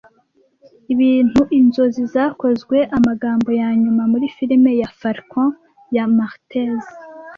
Ibintu inzozi zakozwe - amagambo yanyuma muri film ya Falcon ya Maltese